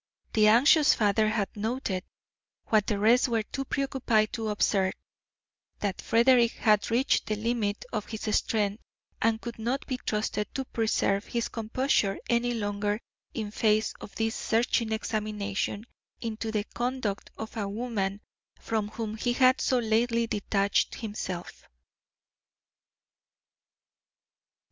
The anxious father had noted, what the rest were too preoccupied to observe, that Frederick had reached the limit of his strength and could not be trusted to preserve his composure any longer in face of this searching examination into the conduct of a woman from whom he had so lately detached himself.